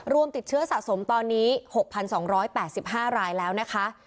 รวมติดเชื้อสะสมตอนนี้๖๒๘๕รายแล้วนะคะ